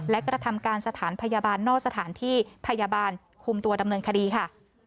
และกระทำการสถานพยาบาลนอกสถานที่พยาบาลคุมตัวดำเนินคดีค่ะ